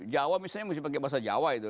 jawa misalnya mesti pakai bahasa jawa itu